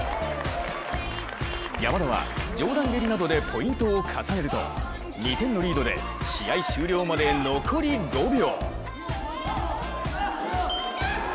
山田は上段蹴りなどでポイントを重ねると、２点のリードで試合終了まで残り５秒。